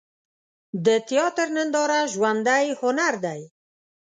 د تیاتر ننداره ژوندی هنر دی.